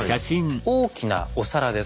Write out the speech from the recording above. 大きなお皿です。